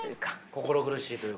心苦しいというか。